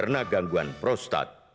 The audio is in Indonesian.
karena gangguan prostat